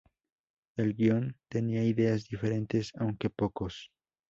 El guion tenía ideas diferentes, aunque pocos.